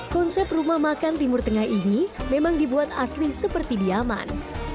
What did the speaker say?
konsep rumah makan timur tengah ini memang dibuat asli seperti di yaman